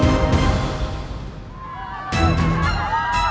kampung alia ini merasakan